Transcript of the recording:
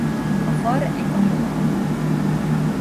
A far enyhén lejt.